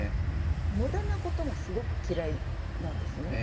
無駄なことがすごく嫌いなんですね。